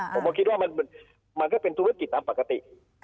ผมก็คิดว่ามันก็เป็นธุรกิจตามปกติ